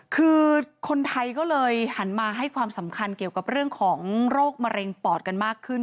คือคนไทยก็เลยหันมาให้ความสำคัญเกี่ยวกับเรื่องของโรคมะเร็งปอดกันมากขึ้น